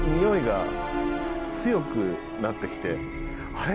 あれ？